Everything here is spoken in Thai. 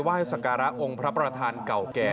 สการะองค์พระประธานเก่าแก่